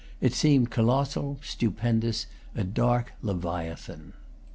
It seemed colossal, stupendous, a dark leviathan.